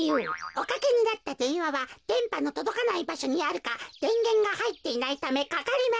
おかけになったでんわはでんぱのとどかないばしょにあるかでんげんがはいっていないためかかりません。